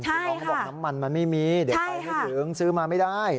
น้องก็บอกน้ำมันมันไม่มีเดี๋ยวไปให้ดึงซื้อมาไม่ได้ใช่ค่ะ